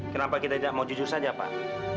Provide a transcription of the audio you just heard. kenapa kita tidak mau jujur saja pak